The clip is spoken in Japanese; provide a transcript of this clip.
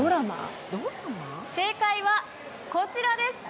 正解はこちらです。